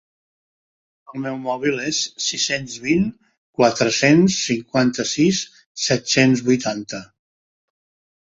El meu mòvil és: sis-cents vint quatre-cents cinquanta-sis set-cents vuitanta.